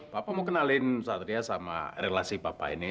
bapak mau kenalin satria sama relasi papa ini